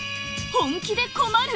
本気で困る！